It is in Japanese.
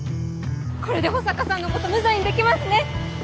これで保坂さんのこと無罪にできますね！